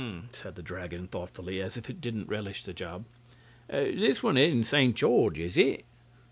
said the Dragon, thoughtfully, as if it didn't relish the job; "this one isn't Saint George, is it?"